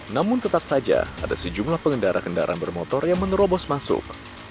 namun tetap saja ada sejumlah pengendara kendaraan bermotor yang menerobos masuk